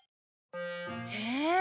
へえ！